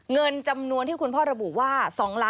เงินจำนวนที่คุณพ่อระบุว่า